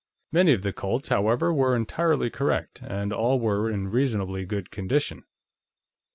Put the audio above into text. Many of the Colts, however, were entirely correct, and all were in reasonably good condition.